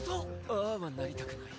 ああはなりたくない。